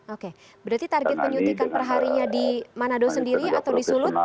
oke berarti target penyuntikan perharinya di manado sendiri atau di sulut